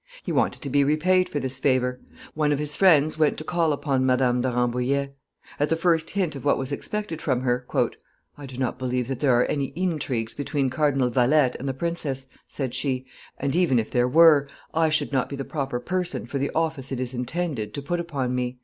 He wanted to be repaid for this favor. One of his friends went to call upon Madame de Rambouillet. At the first hint of what was expected from her, "I do not believe that there are any intrigues between Cardinal Valette and the princess," said she, "and, even if there were, I should not be the proper person for the office it is intended to put upon me.